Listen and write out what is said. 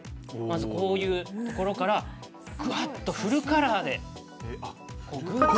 こういうところからフルカラーで。